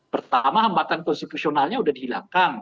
pertama hambatan konstitusionalnya sudah dihilangkan